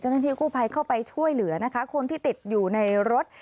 เจ้าหน้าที่กู้ภัยเข้าไปช่วยเหลือนะคะคนที่ติดอยู่ในรถ